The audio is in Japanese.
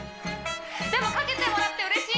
でもかけてもらって嬉しい！